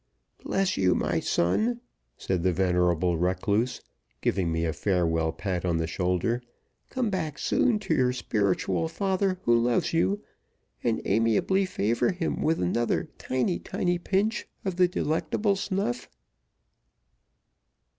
"Bless you, may son," said the venerable recluse, giving me a farewell pat on the shoulder, "come back soon to your spiritual father who loves you, and amiably favor him with another tiny, tiny pinch of the delectable snuff."